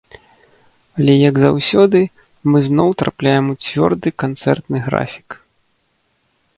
Але як заўсёды, мы зноў трапляем у цвёрды канцэртны графік.